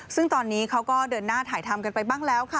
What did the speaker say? ซึ่งตอนนี้เขาก็เดินหน้าถ่ายทำกันไปบ้างแล้วค่ะ